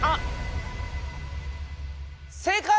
正解！